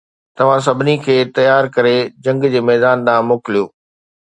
توهان سڀني کي تيار ڪري جنگ جي ميدان ڏانهن موڪليو